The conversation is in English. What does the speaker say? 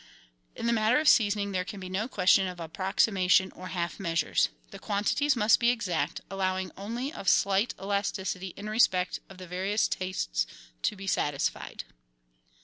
In the matter of seasoning there can be no question of approximation or half measures; the quantities must be exact, allowing only of slight elasticity in respect of the various tastes to be satisfied.